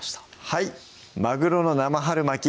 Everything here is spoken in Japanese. はい「まぐろの生春巻き」